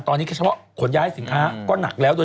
ตอนนี้เฉพาะขนย้ายสินค้าก็หนักแล้วด้วย